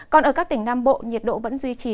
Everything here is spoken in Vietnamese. còn ở các tỉnh nam bộ nhiệt độ vẫn duy trì